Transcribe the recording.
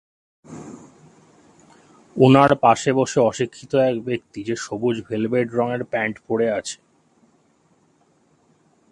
উনার পাশে বসে অশিক্ষিত এক ব্যক্তি যে সবুজ ভেলভেট রঙের প্যান্ট পরে আছে।